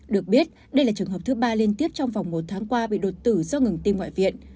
được biết đây là trường hợp thứ ba liên tiếp trong vòng một tháng qua bị đột tử do ngừng tim ngoại viện